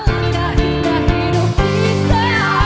angga indah hidup kita